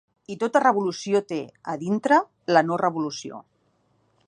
I tota revolució té, a dintre, la no-revolució.